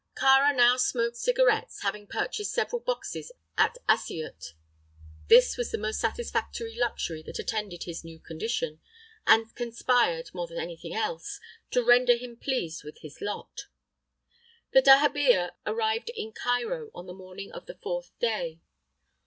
Kāra now smoked cigarettes, having purchased several boxes at Assyut. This was the most satisfactory luxury that attended his new condition, and conspired, more than anything else, to render him pleased with his lot. The dahabeah arrived in Cairo on the morning of the fourth day.